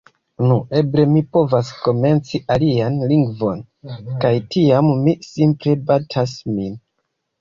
«Nu... Eble mi povas komenci alian lingvon» kaj tiam mi simple batas min